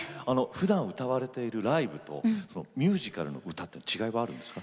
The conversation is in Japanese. ふだん歌われているライブとミュージカルの歌って違いはあるんですか？